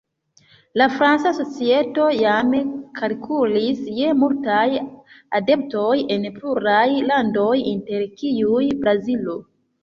La franca societo jam kalkulis je multaj adeptoj en pluraj landoj, inter kiuj Brazilo.